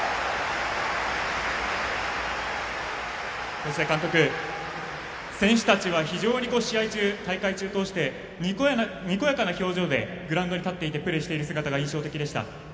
そして、監督選手たちは非常に試合中大会中を通してにこやかな表情でグラウンドに立っていてプレーしている姿が印象的でした。